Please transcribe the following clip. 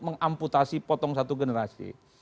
mengamputasi potong satu generasi